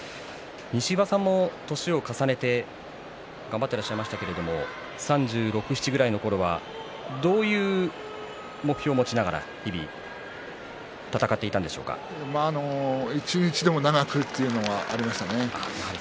西岩さんも年を重ねて頑張ってらっしゃいましたけれども３６歳、３７歳のころはどういう目標を持ちながら一日でも長くというのはありましたね。